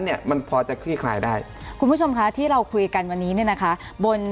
เนี่ยมันพอจะคลี่คลายได้คุณผู้ชมคะที่เราคุยกันวันนี้เนี่ยนะคะบน